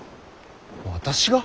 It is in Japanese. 私が？